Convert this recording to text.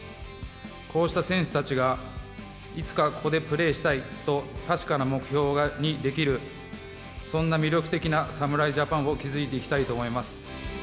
こうした選手たちが、いつかここでプレーしたいと、確かな目標にできる、そんな魅力的な侍ジャパンを築いていきたいと思います。